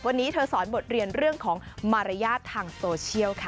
วันนี้เธอสอนบทเรียนเรื่องของมารยาททางโซเชียลค่ะ